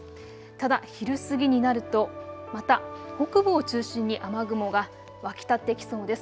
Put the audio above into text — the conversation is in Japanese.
ただ昼過ぎになるとまた北部を中心に雨雲が湧き立ってきそうです。